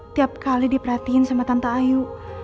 tiap kali diperhatiin sama tante ayu